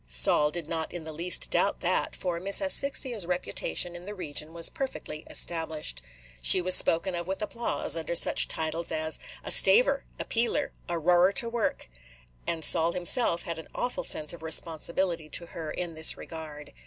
Sol did not in the least doubt that, for Miss Asphyxia's reputation in the region was perfectly established. She was spoken of with applause under such titles as "a staver," "a pealer," "a roarer to work"; and Sol himself had an awful sense of responsibility to her in this regard.